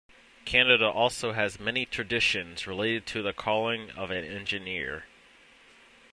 Canada also has many traditions related to the calling of an engineer.